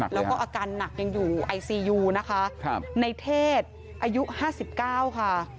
แล้วก็อาการหนักยังอยู่ไอซียูนะคะครับในเทศอายุห้าสิบเก้าค่ะ